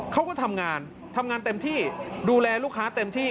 เขาก็ทำงานทำงานเต็มที่ดูแลลูกค้าเต็มที่